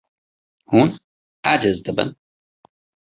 Hûn aciz dibin.